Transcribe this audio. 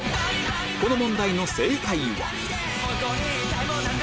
この問題の正解は